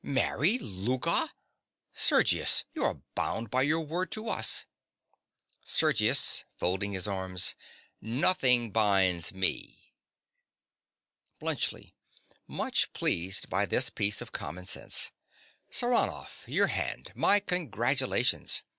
Marry Louka! Sergius: you are bound by your word to us! SERGIUS. (folding his arms). Nothing binds me. BLUNTSCHLI. (much pleased by this piece of common sense). Saranoff: your hand. My congratulations.